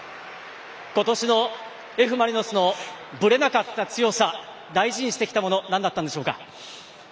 今年のＦ・マリノスのぶれなかった強さ大事にしてきたものなんだったんでしょうか？